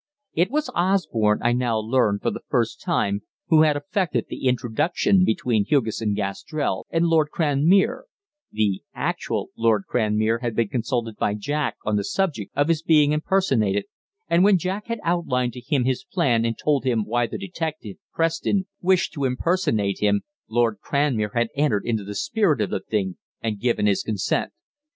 It was Osborne, I now learned for the first time, who had effected the introduction between Hugesson Gastrell and "Lord Cranmere" the actual Lord Cranmere had been consulted by Jack on the subject of his being impersonated, and when Jack had outlined to him his plan and told him why the detective, Preston, wished to impersonate him, Lord Cranmere had entered into the spirit of the thing and given his consent.